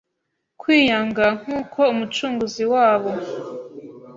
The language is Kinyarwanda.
kwiyanga nk’uko Umucunguzi wabo.